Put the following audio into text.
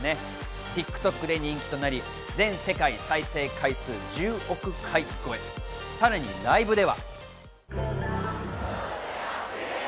ＴｉｋＴｏｋで人気となり、全世界再生回数１０億回超え、さらにライブでは。